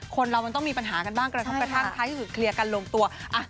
คนเรามันต้องมีปัญหากันบ้างกระทบกระทั่งท้ายที่สุดเคลียร์กันลงตัว